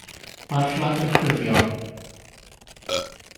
Mae'r fflag yn chwifio.